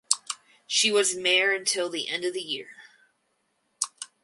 She was mayor until the end of the year.